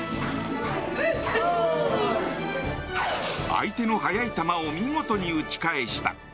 相手の速い球を見事に打ち返した！